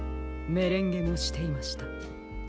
メレンゲもしていました。